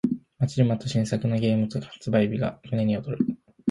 待ちに待った新作ゲームの発売日に胸が躍る